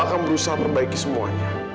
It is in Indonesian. akan berusaha perbaiki semuanya